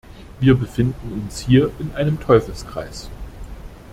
Wir befinden uns hier in einem Teufelskreis.